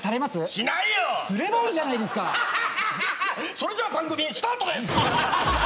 それじゃ番組スタートです！